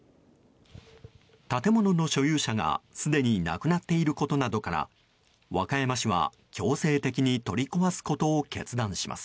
建物の所有者がすでに亡くなっていることなどから和歌山市は、強制的に取り壊すことを決断します。